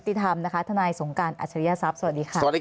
ติธรรมนะคะอธนายสงการอัชรี่ยทรัษปสวัสดีค่ะสวัสดี